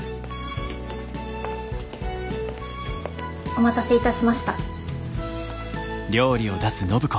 お待たせいたしました。